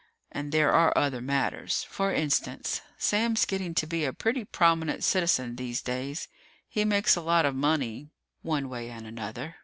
And there are other matters. For instance, Sam's getting to be a pretty prominent citizen these days. He makes a lot of money, one way and another.